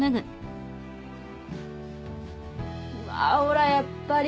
うわほらやっぱり。